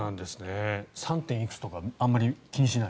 ３．いくつとかあまり気にしない？